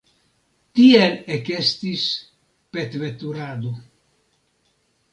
Tiel ekestis petveturado!